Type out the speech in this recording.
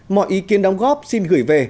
mọi ý kiến đóng góp xin gửi về